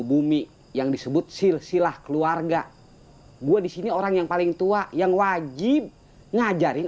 ilmu bumi yang disebut silsilah keluarga gua di sini orang yang paling tua yang wajib ngajarin